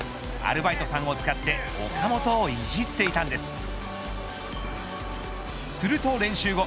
アルバイトさんを使って岡本をいじっていたんです。